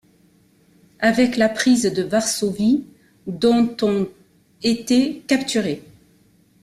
Avec la prise de Varsovie, dont ont été capturés.